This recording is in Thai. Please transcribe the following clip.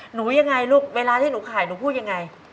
หนูยังไงลูกเวลาที่หนูขายหนูพูดยังไง